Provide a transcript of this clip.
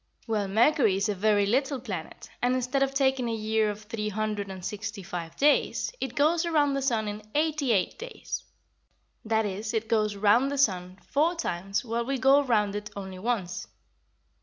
"Well, Mercury is a very little planet, and instead of taking a year of three hundred and sixty five days, it goes around the sun in eighty eight days. That is, it goes round the sun four times while we go round it only once.